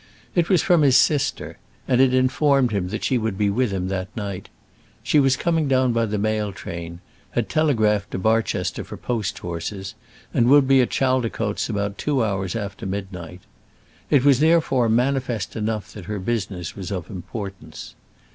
It was from his sister, and it informed him that she would be with him that night. She was coming down by the mail train, had telegraphed to Barchester for post horses, and would be at Chaldicotes about two hours after midnight. It was therefore manifest enough that her business was of importance.